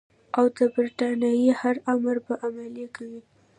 او د برټانیې هر امر به عملي کوي.